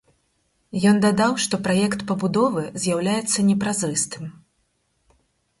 Ён дадаў, што праект пабудовы з'яўляецца непразрыстым.